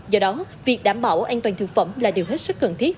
do đó việc đảm bảo an toàn thực phẩm là điều hết sức cần thiết